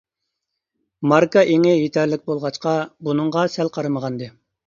ماركا ئېڭى يېتەرلىك بولغاچقا بۇنىڭغا سەل قارىمىغانىدى.